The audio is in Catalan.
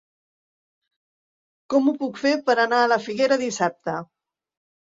Com ho puc fer per anar a la Figuera dissabte?